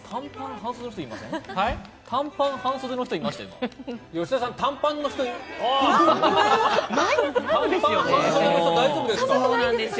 短パン半袖の方いましたよ。